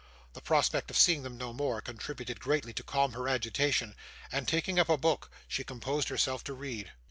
The prospect of seeing them no more, contributed greatly to calm her agitation, and, taking up a book, she composed herself to read.